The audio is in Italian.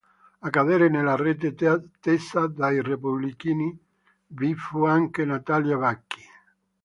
A cadere nella rete tesa dai repubblichini vi fu anche Natalina Vacchi.